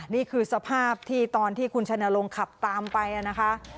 นี่คือสภาพที่ตอนที่คุณชัยนรงค์ขับตามไปนะคะ